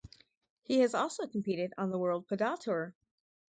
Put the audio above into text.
He has also competed on the World Padel Tour.